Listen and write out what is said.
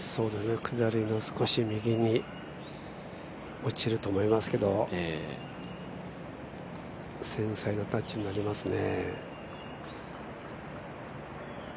下りの少し右に落ちると思いますけど繊細なタッチになりますね。